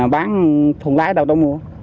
bán thùng lái đâu có mua